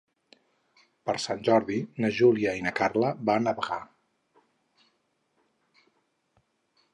Per Sant Jordi na Júlia i na Carla van a Bagà.